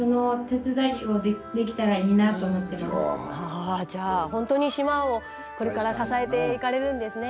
ああじゃあほんとに島をこれから支えていかれるんですね。